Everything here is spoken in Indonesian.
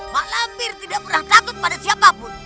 mak lamir tidak pernah takut pada siapapun